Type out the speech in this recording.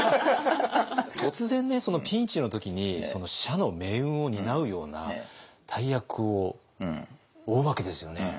突然ピンチの時に社の命運を担うような大役を負うわけですよね。